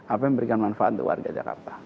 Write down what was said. apa yang memberikan manfaat untuk warga jakarta